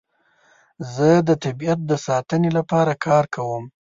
زه د طبیعت د ساتنې لپاره کار کوم.